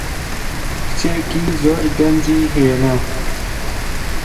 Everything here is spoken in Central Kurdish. کچێکی زۆر گەنجی هێنا.